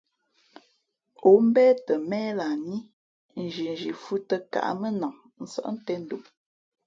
Ǒ mbě tα měh lah ní, nzhinzhi fhʉ̄ tᾱ káʼmenam nsάʼ tēn dom.